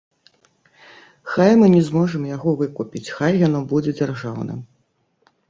Хай мы не зможам яго выкупіць, хай яно будзе дзяржаўным.